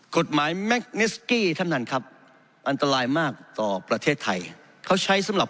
กฎหมายแมคนิสกี้ท่านท่านครับอันตรายมากต่อประเทศไทยเขาใช้สำหรับ